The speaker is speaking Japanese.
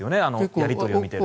やり取りを見ていると。